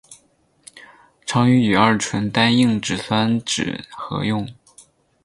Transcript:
常与乙二醇单硬脂酸酯合用。